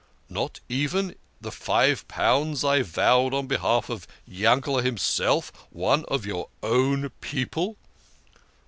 " Not even the five pounds I vowed on behalf of Yankete himself one of your own people